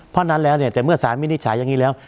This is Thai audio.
เพราะฉะนั้นแล้วเนี่ยแต่เมื่อสารวินิจฉัยอย่างนี้แล้ว